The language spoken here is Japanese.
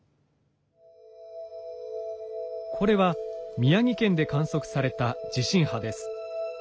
これは宮城県で観測された地震波です。